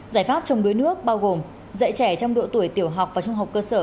giải pháp chống đuối nước bao gồm dạy trẻ trong độ tuổi tiểu học và trung học cơ sở